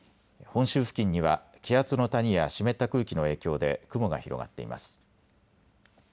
本州付近には気圧の谷や湿った空気の影響で雲が広がっています。